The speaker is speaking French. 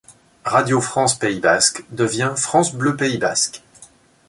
Radio France Pays basque devient France Bleu Pays basque.